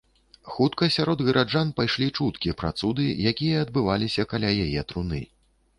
Хутка сярод гараджан пайшлі чуткі пра цуды, якія адбываліся каля яе труны.